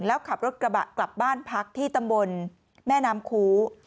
แล้วขับรถกระบะกลับบ้านพักที่ตำบลแม่น้ำคู